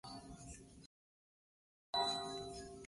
Se redactaron dos ejemplares originales del acta.